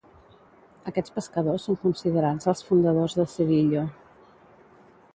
Aquests pescadors són considerats els fundadors de Cedillo.